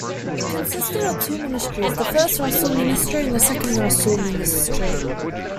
It consisted of two ministries: the first Russell ministry and the second Russell ministry.